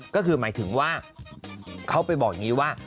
ก็คือหมายถึงว่าเขาไปบอกอย่างนี้ว่า